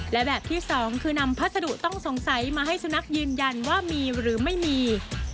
และแบบที่สองคือนำพัสดุต้องสงสัยมาให้สุนัขยืนยันว่ามีหรือไม่มี